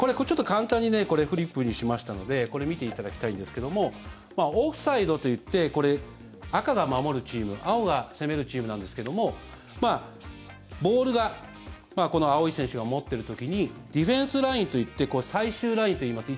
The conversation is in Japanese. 簡単にフリップにしましたのでこれを見ていただきたいんですけどもオフサイドといって赤が守るチーム青が攻めるチームなんですけどもボールがこの青い選手が持っている時にディフェンスラインといって最終ラインといいます。